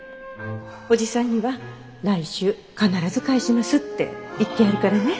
おじさんには来週必ず返しますって言ってあるからね。